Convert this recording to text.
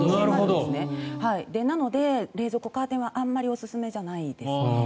ですから、冷蔵庫カーテンはあんまりおすすめじゃないです。